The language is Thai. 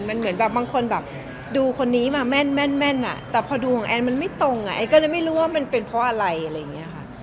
มันเหมือนแบบบางคนแบบดูคนนี้มาแม่นอ่ะแต่พอดูของแอนมันไม่ตรงอ่ะแอนก็เลยไม่รู้ว่ามันเป็นเพราะอะไรอะไรอย่างนี้ค่ะ